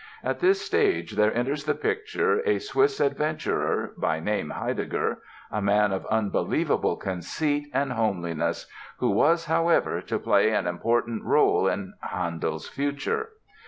At this stage there enters the picture a Swiss adventurer, by name Heidegger, a man of unbelievable conceit and homeliness, who was, however, to play an important role in Handel's future.